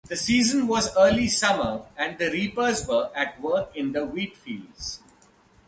The season was early summer and the reapers were at work in the wheatfields.